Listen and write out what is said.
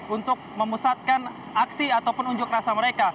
untuk memusatkan aksi ataupun unjuk rasa mereka